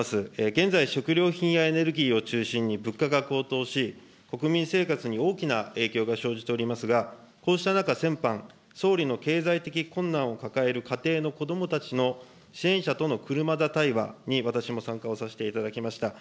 現在、食料品やエネルギーを中心に、物価が高騰し、国民生活に大きな影響が生じておりますが、こうした中、先般、総理の経済的困難を抱える家庭の子どもたちの支援者との車座対話に私も参加をさせていただきました。